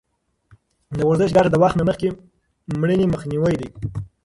د ورزش ګټه د وخت نه مخکې مړینې مخنیوی دی.